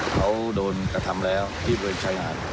เขาโดนกระทำแล้วที่เป็นชายงาน